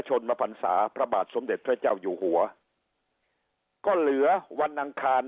ชนมพันศาพระบาทสมเด็จพระเจ้าอยู่หัวก็เหลือวันอังคาร